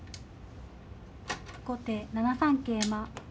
後手７三桂馬。